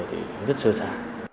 thì rất sơ sả